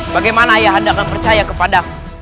bagaimana ayah henda akan percaya kepadaku